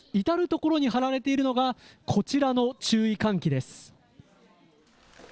至る所に貼られているのがこちらの注意喚起です。